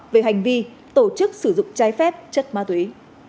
về hành vi tổ chức sử dụng trái phép chất ma túy